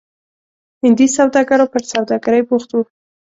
هندي سوداګرو پر سوداګرۍ بوخت وو.